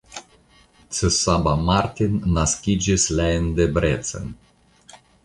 Csaba Martin naskiĝis la en Debrecen.